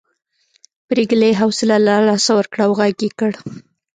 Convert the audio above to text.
پريګلې حوصله له لاسه ورکړه او غږ یې کړ